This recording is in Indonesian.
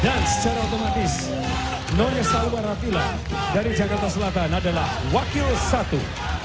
dan secara otomatis nona zahida jamilah dari jakarta selatan adalah wakil satu